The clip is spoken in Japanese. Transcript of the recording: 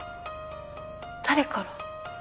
誰から？